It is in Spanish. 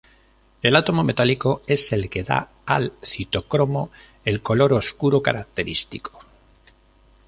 El átomo metálico es el que da al citocromo el color oscuro característico.